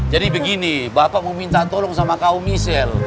jadi begini bapak mau minta tolong sama kaum misil